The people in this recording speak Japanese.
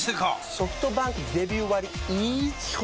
ソフトバンクデビュー割イズ基本